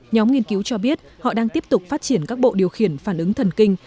nhóm nghiên cứu cho biết họ đang tiếp tục phát triển các bộ điều khiển phản ứng thần kinh